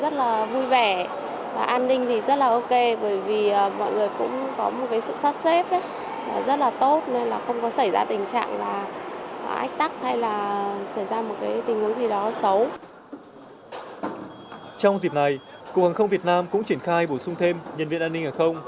trong dịp này cục hàng không việt nam cũng triển khai bổ sung thêm nhân viên an ninh hàng không